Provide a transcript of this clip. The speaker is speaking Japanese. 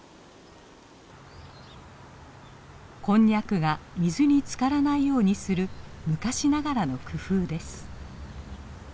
こんにゃくが水につからないようにする昔ながらの工夫です。